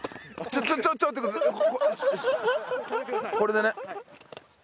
これでね。